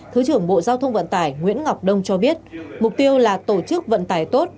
thứ trưởng bộ giao thông vận tải nguyễn ngọc đông cho biết mục tiêu là tổ chức vận tải tốt